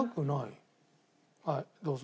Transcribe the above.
はいどうぞ。